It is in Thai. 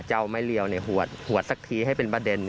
จะเอาไม้เรียวหวดสักทีให้เป็นประเด็น